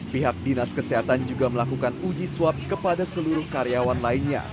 pihak dinas kesehatan juga melakukan uji swab kepada seluruh karyawan lainnya